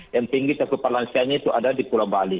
yang tinggi cakupan lansianya itu ada di pulau bali